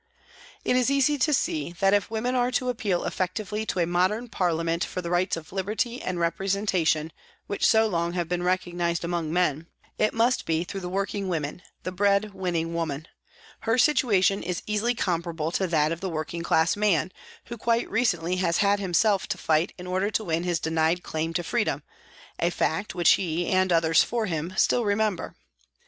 It is easy to see that if women are to appeal effectively to a modern parliament for the rights of liberty and representation which so long have been recognised among men, it must be through the working women, the bread winning woman. Her situation is easily comparable to that of the working 42 PRISONS AND PRISONERS class man who quite recently has had himself to fight in order to win his denied claim to freedom, a fact which he, and others for him, still remember.